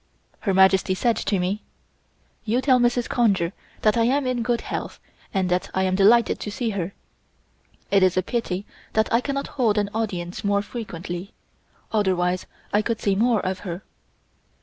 Her Majesty said to me: "You tell Mrs. Conger that I am in good health and that I am delighted to see her. It is a pity that I cannot hold an audience more frequently, otherwise I could see more of her."